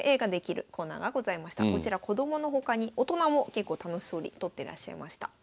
こちら子供の他に大人も結構楽しそうに撮ってらっしゃいました。